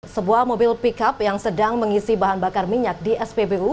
sebuah mobil pickup yang sedang mengisi bahan bakar minyak di spbu